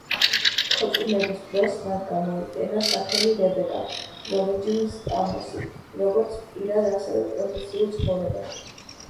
ქორწინების დროს მან გამოიყენა სახელი რებეკა რომიჯნ-სტამოსი, როგორც პირად, ასევე პროფესიულ ცხოვრებაში.